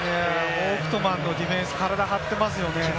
フォウクトマンのディフェンス、体張ってますね。